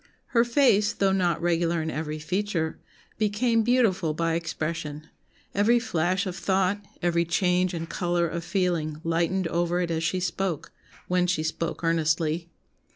Her face, though not regular in 'every feature,' became beautiful by expression, every flash of thought, every change and colour of feeling lightened over it as she spoke, when she spoke earnestly.